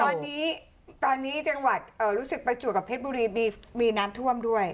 ตอนนี้ตอนนี้จังหวัดรู้สึกประจวบกับเพชรบุรีมีน้ำท่วมด้วย